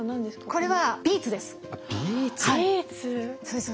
これはビーツです。